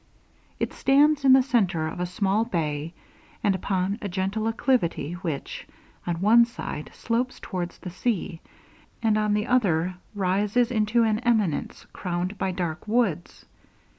It stands in the centre of a small bay, and upon a gentle acclivity, which, on one side, slopes towards the sea, and on the other rises into an eminence crowned by dark woods.